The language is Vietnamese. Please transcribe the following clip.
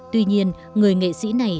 tuy nhiên người nghệ sĩ này